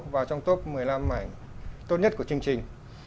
vào trong top một mươi năm mảng tốt nhất của chương trình